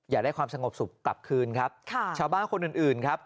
อยากได้ความสงบสุขกลับคืนครับค่ะชาวบ้านคนอื่นอื่นครับ